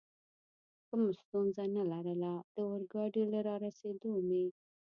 کومه ستونزه نه لرله، د اورګاډي له رارسېدو مې.